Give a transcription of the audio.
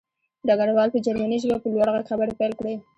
ډګروال په جرمني ژبه په لوړ غږ خبرې پیل کړې